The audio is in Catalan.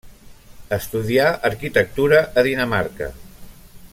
Estudià arquitectura a Dinamarca.